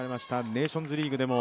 ネーションズリーグでも